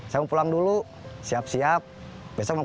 jayanya suara orang lain